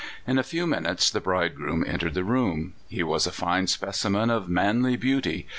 In a few minutes the bridegroom entered the room. He was a fine specimen of manly beauty.